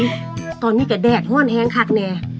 นี่ตอนนี้แค่แดดห้วนแห้งขักแน่